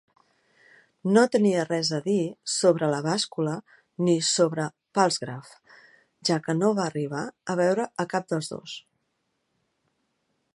No tenia res a dir sobre la bàscula ni sobre Palsgraf, ja que no va arribar a veure a cap dels dos.